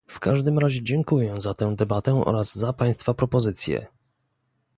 W każdym razie dziękuję za tę debatę oraz za państwa propozycje